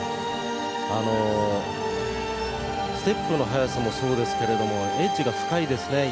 あのステップの速さもそうですけれどもエッジが深いですね。